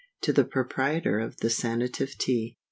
To the Proprietor of the SANATIVE TEA.